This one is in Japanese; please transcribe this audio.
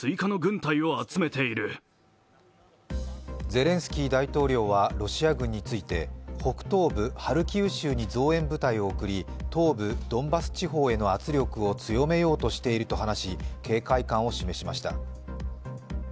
ゼレンスキー大統領はロシア軍について北東部ハルキウ州に増援部隊を送り東部ドンバス地方への圧力を強めようとしていると話し警戒緩を示しました。